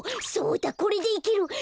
そうだこれでいける！